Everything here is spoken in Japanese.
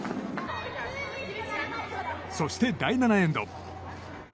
そして第７エンド。